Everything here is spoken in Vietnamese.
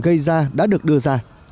gây ra đã được đưa ra